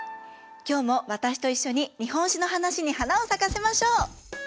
今日も私と一緒に日本史の話に花を咲かせましょう。